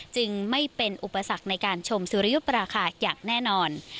จึงไม่เป็นอุปสรรคในการชมสุริยุปราคาอย่างแน่นอน